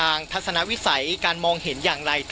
มุ่งหน้าเพื่อที่จะไปวัดบัปนักนะครับ